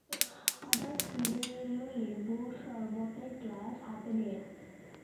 আবার ফিরে এল লেবুর সরবতের গ্লাস হাতে নিয়ে।